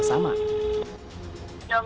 namun tidak satu pun yang menjawab